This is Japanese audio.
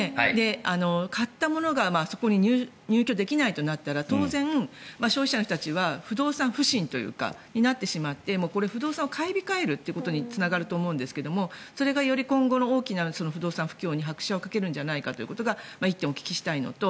買ったものがそこに入居できないとなったら当然、消費者の人たちは不動産不信になってしまってこれ、不動産を買い控えることにつながると思うんですがそれが、より今後の大きな不動産不況に拍車をかけるんじゃないかということを１点お聞きしたいのと。